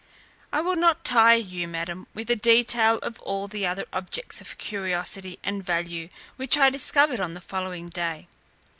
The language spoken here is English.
" I will not tire you, madam, with a detail of all the other objects of curiosity and value which I discovered on the following day.